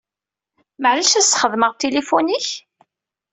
Maɛlic ad sxedmeɣ tilifun-ik?